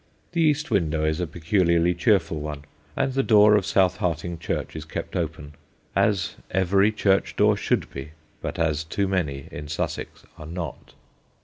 The east window is a peculiarly cheerful one, and the door of South Harting church is kept open, as every church door should be, but as too many in Sussex are not.